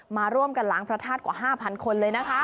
มาร่วมกันล้างพระธาตุกว่า๕๐๐คนเลยนะคะ